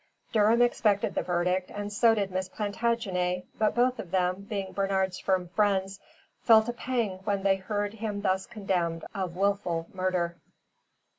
Durham expected the verdict and so did Miss Plantagenet, but both of them, being Bernard's firm friends, felt a pang when they heard him thus condemned of wilful murder.